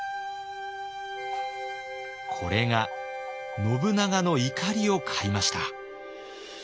これが信長の怒りを買いました。